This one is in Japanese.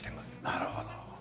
なるほど。